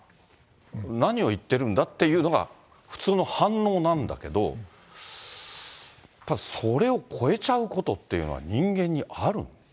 何を言ってるんだっていうのが普通の反応なんだけど、それを超えちゃうことっていうのは、人間にある？